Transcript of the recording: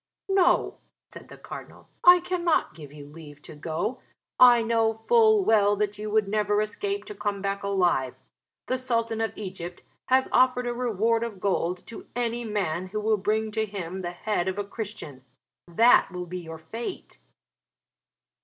"No," said the Cardinal, "I cannot give you leave to go. I know full well that you would never escape to come back alive. The Sultan of Egypt has offered a reward of gold to any man who will bring to him the head of a Christian. That will be your fate."